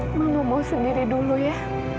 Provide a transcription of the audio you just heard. mama mau sendiri dulu ya